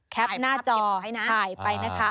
หน้าจอถ่ายไปนะคะ